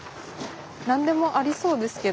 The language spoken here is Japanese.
何でもありそうですけど。